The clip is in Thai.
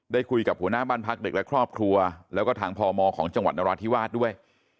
คุยกับหัวหน้าบ้านพักเด็กและครอบครัวแล้วก็ทางพมของจังหวัดนราธิวาสด้วย